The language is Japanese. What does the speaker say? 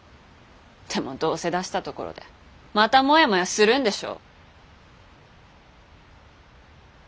でもどうせ出したところでまたモヤモヤするんでしょ。